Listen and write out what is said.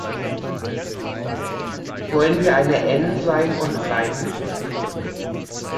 Wollen wir eine Nsein und bleiben?